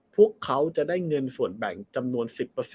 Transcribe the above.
พวกเขาจะได้เงินส่วนแบ่งจำนวน๑๐